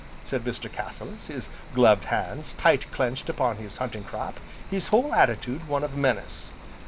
said Mr. Cassilis, his gloved hands tight clenched upon his hunting crop, his whole attitude one of menace.